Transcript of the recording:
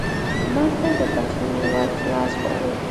مړه ته د بښنې ور خلاص غواړو